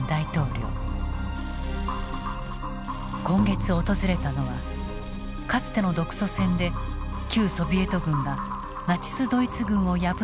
今月訪れたのはかつての独ソ戦で旧ソビエト軍がナチス・ドイツ軍を破った激戦地。